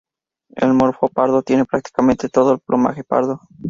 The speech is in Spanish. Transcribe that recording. El morfo pardo tiene prácticamente todo el plumaje pardo.